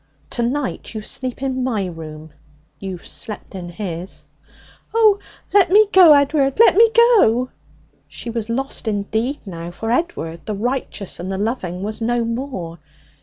Tonight you sleep in my room; you've slept in his.' 'Oh, let me go, Ed'ard! let me go!' She was lost indeed now. For Edward, the righteous and the loving, was no more.